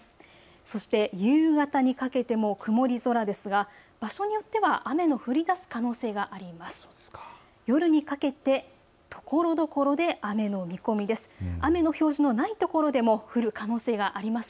そして夕方にかけても曇り空ですが場所によっては雨の降りだす可能性があります。